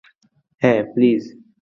হ্যাঁ, প্লিজ।